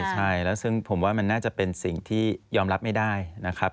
ใช่แล้วซึ่งผมว่ามันน่าจะเป็นสิ่งที่ยอมรับไม่ได้นะครับ